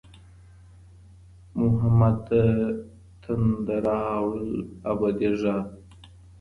محمده "ص"تنده راوړل ابدي ږغ